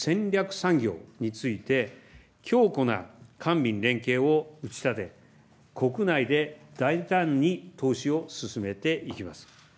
産業について、強固な官民連携を打ち立て、国内で大胆に投資を進めていきます。